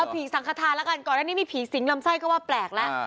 ผีสังขทานแล้วกันก่อนอันนี้มีผีสิงลำไส้ก็ว่าแปลกแล้ว